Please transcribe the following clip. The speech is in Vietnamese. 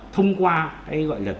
thông qua hay gọi là